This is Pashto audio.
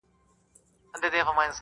ياره وس دي نه رسي ښكلي خو ســرزوري دي